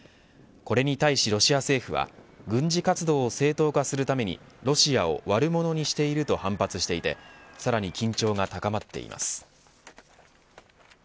これに対しロシア政府は軍事活動を正当化するためにロシアを悪者にしていると反発していてさらに緊張が高まっています。